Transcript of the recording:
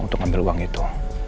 untuk ambil uang itu